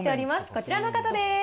こちらの方です。